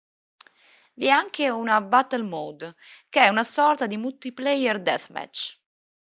Vi è anche una Battle Mode, che è una sorta di multiplayer deathmatch.